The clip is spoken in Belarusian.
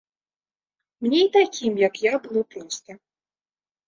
Мне і такім, як я было проста.